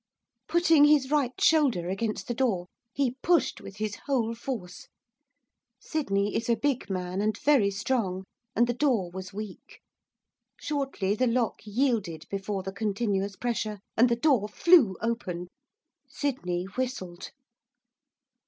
Putting his right shoulder against the door, he pushed with his whole force. Sydney is a big man, and very strong, and the door was weak. Shortly, the lock yielded before the continuous pressure, and the door flew open. Sydney whistled.